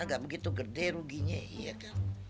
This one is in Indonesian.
agak begitu gede ruginya iya kan